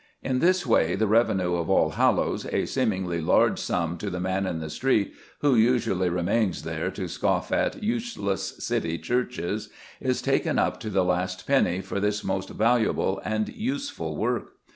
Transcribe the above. In this way the revenue of Allhallows a seemingly large sum to the "man in the street" (who usually remains there, to scoff at "useless city churches") is taken up to the last penny for this most valuable and useful work.